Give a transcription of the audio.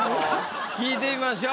聞いてみましょう。